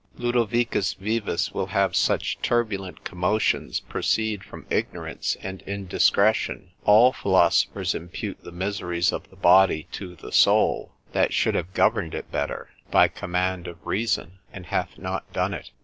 Lodovicus Vives will have such turbulent commotions proceed from ignorance and indiscretion. All philosophers impute the miseries of the body to the soul, that should have governed it better, by command of reason, and hath not done it.